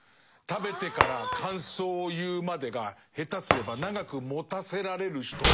食べてから感想を言うまでが下手すれば長くもたせられる人という。